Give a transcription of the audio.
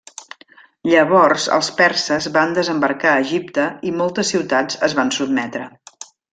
Llavors els perses van desembarcar a Egipte i moltes ciutats es van sotmetre.